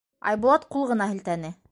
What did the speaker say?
Айбулат ҡул ғына һелтәне: